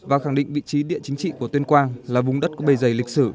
và khẳng định vị trí địa chính trị của tuyên quang là vùng đất có bề dày lịch sử